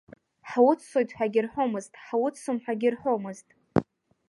Ҳуццоит ҳәагьы рҳәомызт, ҳуццом ҳәагьы рҳәомызт.